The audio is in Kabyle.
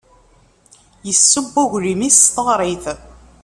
Yesseww aglim-is s teɣrit.